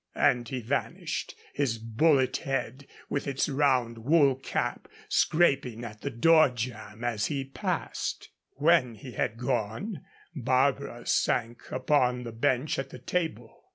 And he vanished, his bullet head, with its round wool cap, scraping at the door jamb as he passed. When he had gone, Barbara sank upon the bench at the table.